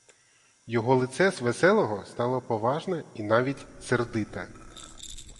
Його лице з веселого стало поважне і навіть сердите.